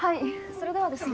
それではですね。